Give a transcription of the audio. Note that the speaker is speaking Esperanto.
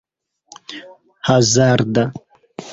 hazarda